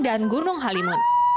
dan gunung halimun